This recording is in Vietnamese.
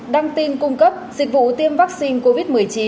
đăng tin cung cấp dịch vụ tiêm vaccine covid một mươi chín